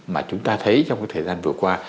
mà chúng ta thấy trong cái thời gian vừa qua